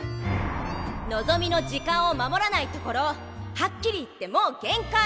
のぞみの時間を守らないところはっきり言ってもう限界！